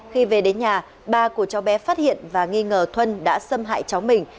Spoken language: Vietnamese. khi về đến nhà ba của cháu bé phát hiện và nghi ngờ thuân đã xâm hại cháu mình